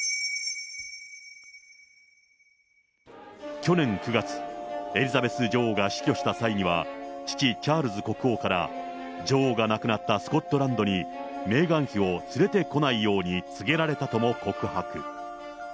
去年９月、エリザベス女王が死去した際には、父、チャールズ国王から女王が亡くなったスコットランドに、メーガン妃を連れてこないように告げられたとも告白。